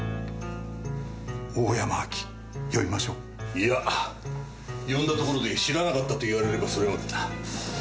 いや呼んだところで知らなかったと言われればそれまでだ。